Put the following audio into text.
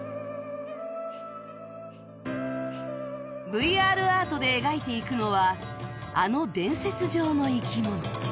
ＶＲ アートで描いていくのはあの伝説上の生き物